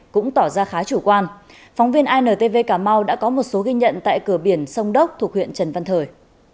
cũng tỏ ra khá chủ quan phóng viên intv cà mau đã có một số ghi nhận tại cửa biển sông đốc thuộc huyện trần văn thời